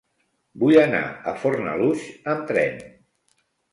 Vull anar a Fornalutx amb tren.